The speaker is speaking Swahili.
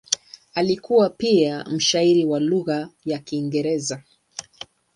Alikuwa pia mshairi wa lugha ya Kiingereza.